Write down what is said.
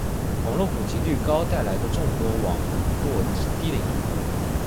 网络普及率高带来的众多网络低龄儿